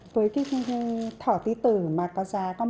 với cái thỏ tí tử mà có giá có một trăm tám mươi